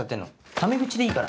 タメ口でいいから。